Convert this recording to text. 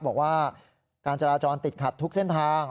บอกว่าการจราจรติดขัดทุกเส้นทาง